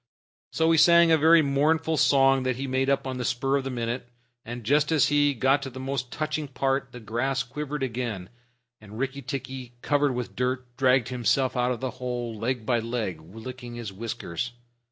So he sang a very mournful song that he made up on the spur of the minute, and just as he got to the most touching part, the grass quivered again, and Rikki tikki, covered with dirt, dragged himself out of the hole leg by leg, licking his whiskers.